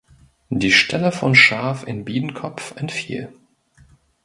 Die Stelle von Schaaf in Biedenkopf entfiel.